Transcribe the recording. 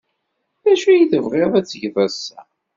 D acu ay tebɣid ad tged ass-a?